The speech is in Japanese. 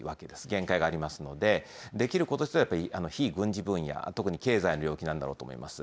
限界がありますので、できることといえば非軍事分野、特に経済の領域なんだろうと思います。